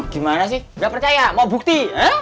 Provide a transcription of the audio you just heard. gimana sih nggak percaya mau bukti